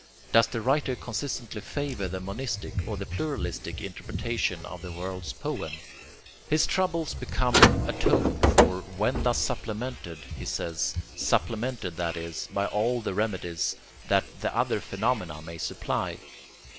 Does the writer consistently favor the monistic, or the pluralistic, interpretation of the world's poem? His troubles become atoned for WHEN THUS SUPPLEMENTED, he says, supplemented, that is, by all the remedies that THE OTHER PHENOMENA may supply.